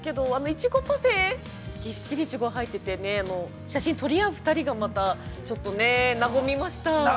イチゴパフェぎっしりイチゴが入ってて写真撮り合う２人がまた、和みました。